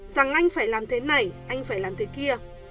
rằng anh phải làm thế này anh phải làm thế kia